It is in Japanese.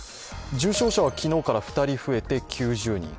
重症者は昨日から２人増えて９０人。